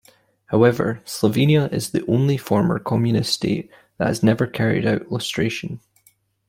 However, Slovenia is the only former Communist state that has never carried out lustration.